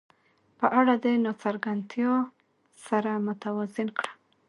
په اړه د ناڅرګندتیا سره متوازن کړه.